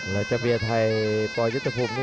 และเจ้าเบียดไทยปยุฒิภูมิ